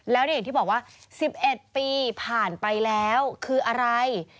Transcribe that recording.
แล้วอย่างที่บอกว่า๑๑ปีผ่านไปแล้วคืออะไร